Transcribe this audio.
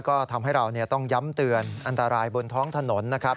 ก็ทำให้เราต้องย้ำเตือนอันตรายบนท้องถนนนะครับ